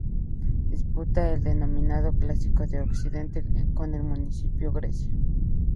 Disputa el denominado Clásico de Occidente con el Municipal Grecia.